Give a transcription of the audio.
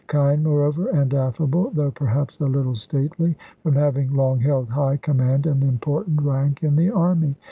Kind, moreover, and affable, though perhaps a little stately, from having long held high command and important rank in the army.